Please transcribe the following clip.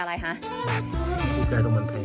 ชอบไหมพ่อ